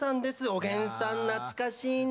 おげんさん懐かしいね。